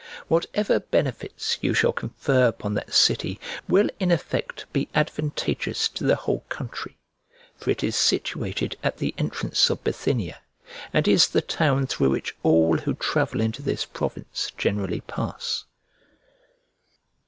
Whatever benefits you shall confer upon that city will in effect be advantageous to the whole country; for it is situated at the entrance of Bithynia, and is the town through which all who travel into this province generally pass.